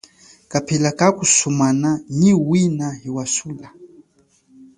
Kapela kakusumana nyi wina hiwasula.